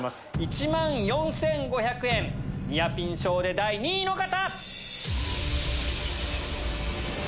１万４５００円ニアピン賞で第２位の方！